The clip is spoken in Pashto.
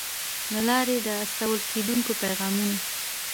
له لارې د استول کېدونکو پیغامونو